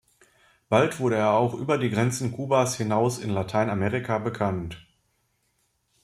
Bald wurde er auch über die Grenzen Kubas hinaus in Lateinamerika bekannt.